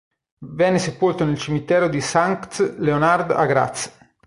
Venne sepolto nel cimitero di Sankt Leonhard a Graz.